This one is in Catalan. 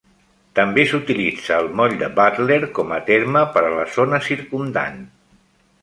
També s'utilitza el moll de Butler com a terme per a la zona circumdant.